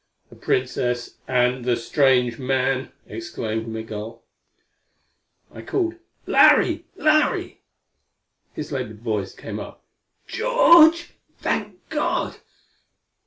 "The Princess and the strange man!" exclaimed Migul. I called, "Larry! Larry!" His labored voice came up. "George? Thank God!